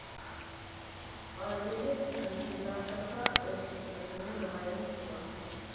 ئادىمىيلىك ئەنە شۇنداق چاغدا ئۆز كۈچ-قۇدرىتىنى نامايان قىلىدۇ.